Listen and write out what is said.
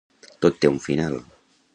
Tot té un final.